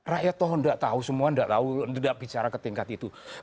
rakyat tahu nggak tahu semua tidak tahu tidak bicara ke tingkat itu